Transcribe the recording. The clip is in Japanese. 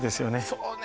そうね